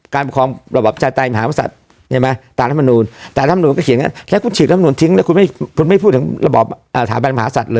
การประคองระบบประชาชนภิตรไตรมหาสัตว์